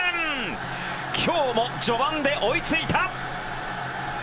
今日も序盤で追いついた。